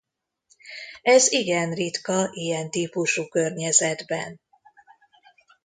Ez igen ritka ilyen típusú környezetben.